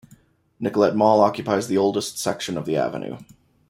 Nicollet Mall occupies the oldest section of the avenue.